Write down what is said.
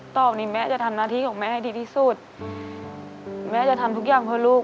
ต่อไปนี้แม่จะทำหน้าที่ของแม่ให้ดีที่สุดแม่จะทำทุกอย่างเพื่อลูก